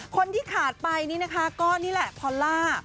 คนที่ขาดไปนี่นะคะก็นี่แหละพอลล่า